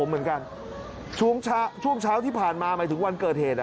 เห็นบอกแขนหักด้วย